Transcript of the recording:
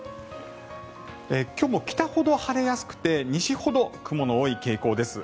今日も北ほど晴れやすくて西ほど雲の多い傾向です。